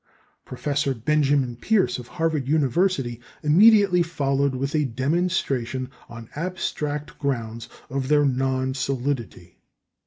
Professor Benjamin Peirce of Harvard University immediately followed with a demonstration, on abstract grounds, of their non solidity.